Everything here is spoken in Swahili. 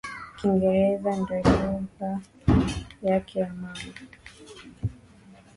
Kiingereza ndo lugha yake ya mama